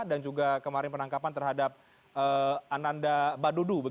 dan juga kemarin penangkapan terhadap ananda badudu